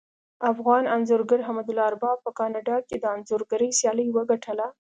افغان انځورګر حمدالله ارباب په کاناډا کې د انځورګرۍ سیالي وګټله